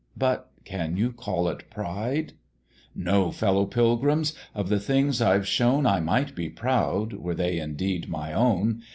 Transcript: but can you call it pride? "No, Fellow Pilgrims! of the things I've shown I might be proud, were they indeed my own!